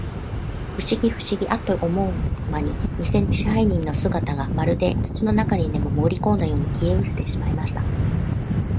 ふしぎ、ふしぎ、アッと思うまに、にせ支配人の姿が、まるで土の中へでも、もぐりこんだように、消えうせてしまいました。